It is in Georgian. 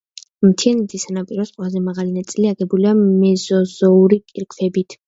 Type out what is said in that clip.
მთიანეთის სანაპიროს ყველაზე მაღალი ნაწილი აგებულია მეზოზოური კირქვებით.